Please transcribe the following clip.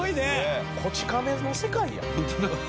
『こち亀』の世界やん。